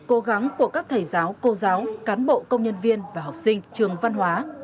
cố gắng của các thầy giáo cô giáo cán bộ công nhân viên và học sinh trường văn hóa